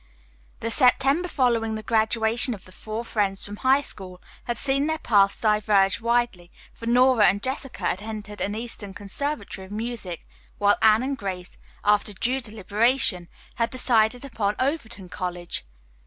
The September following the graduation of the four friends from high school had seen their paths diverge widely, for Nora and Jessica had entered an eastern conservatory of music, while Anne and Grace, after due deliberation, had decided upon Overton College.